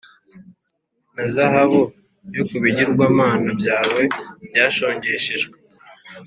na zahabu yo ku bigirwamana byawe byashongeshejwe.